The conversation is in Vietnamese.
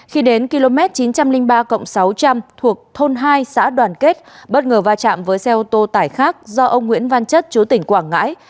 khi đến km chín trăm linh ba sáu trăm linh thuộc thôn hai xã đoàn kết bất ngờ va chạm với xe ô tô tải khác do ông nguyễn văn chất chú tỉnh quảng ngãi